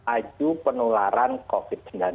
aju penularan covid sembilan belas